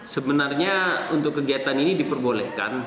sebenarnya untuk kegiatan ini diperbolehkan